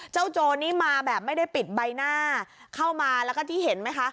โจรนี้มาแบบไม่ได้ปิดใบหน้าเข้ามาแล้วก็ที่เห็นไหมคะ